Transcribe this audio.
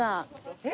えっ！